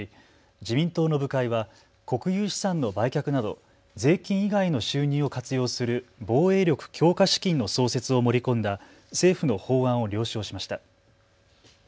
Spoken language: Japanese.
自民党の部会は国有資産の売却など税金以外の収入を活用する防衛力強化資金の創設を盛り込んだ政府の法案を了承しました。